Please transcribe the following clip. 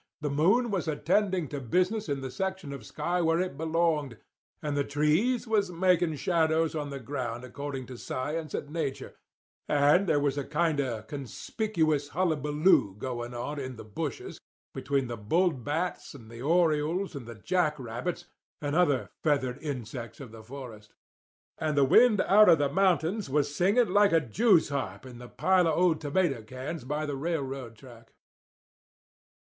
The moon was attending to business in the section of sky where it belonged, and the trees was making shadows on the ground according to science and nature, and there was a kind of conspicuous hullabaloo going on in the bushes between the bullbats and the orioles and the jack rabbits and other feathered insects of the forest. And the wind out of the mountains was singing like a Jew's harp in the pile of old tomato cans by the railroad track.